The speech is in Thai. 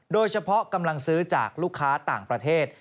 โดยเฉพาะกำลังซื้อจากลูกค้าต่างประเทศ